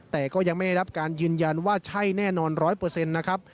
แต่ก็ยังไม่ได้รับการยืนยันว่าใช่แน่นอนร้อยเปอร์เซ็นต์นะครับ